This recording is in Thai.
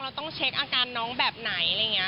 เราต้องเช็คอาการน้องแบบไหน